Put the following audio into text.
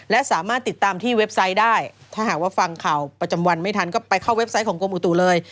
และสามารถติดตามที่เว็บไซต์ได้ถ้าหากว่าฟังข่าวประจำวันไม่ทันก็ไปเข้าเว็บไซต์ของกรมอุตุเลย